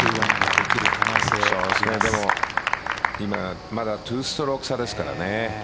今、まだ２ストローク差ですからね。